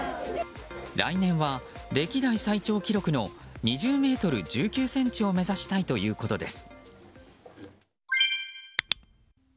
来年は歴代最長記録の２０ｍ１９ｃｍを目指したいということです。